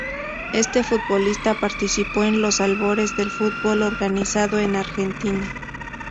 Este futbolista participó en los albores del fútbol organizado en Argentina.